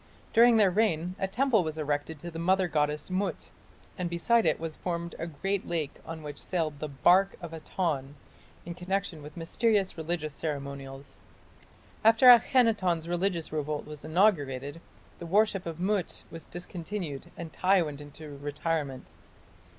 During their reign a temple was erected to the mother goddess Mut, and beside it was formed a great lake on which sailed the "barque of Aton" in connection with mysterious religious ceremonials. After Akhenaton's religious revolt was inaugurated, the worship of Mut was discontinued and Tiy went into retirement.